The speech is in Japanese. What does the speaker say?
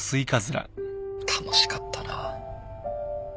楽しかったな。